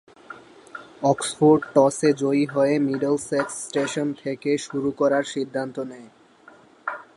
Oxford টসে জয়ী হয়ে মিডলসেক্স স্টেশন থেকে শুরু করার সিদ্ধান্ত নেয়।